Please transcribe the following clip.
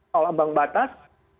kalau abang batas